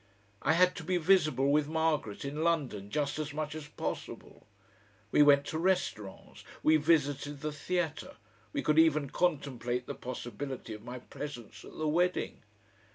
I had to be visible with Margaret in London just as much as possible; we went to restaurants, we visited the theatre; we could even contemplate the possibility of my presence at the wedding.